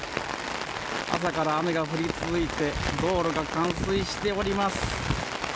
朝から雨が降り続いて道路が冠水しております。